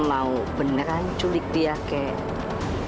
mau beneran culik dia kek